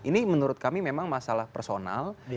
ini menurut kami memang masalah personal